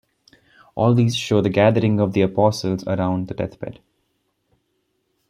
All these show the gathering of the apostles around the deathbed.